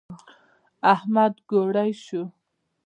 احمد ګوړۍ شو.